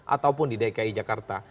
ataupun di dki jakarta